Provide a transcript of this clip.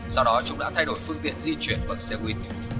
sau đó chúng đã thay đổi phương tiện di chuyển bằng xe buýt